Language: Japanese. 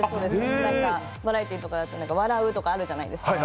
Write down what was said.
バラエティーとかだと「わらう」とかあるじゃないですか。